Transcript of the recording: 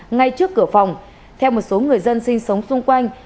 ngay trước cửa phòng theo một số người dân sinh sống xung quanh